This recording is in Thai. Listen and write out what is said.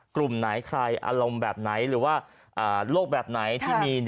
กลุ่มไหนใครอารมณ์แบบไหนหรือว่าโรคแบบไหนที่มี